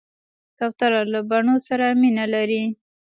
کوتره له بڼو سره مینه لري.